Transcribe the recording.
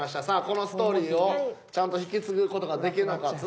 さあこのストーリーをちゃんと引き継ぐ事ができるのか？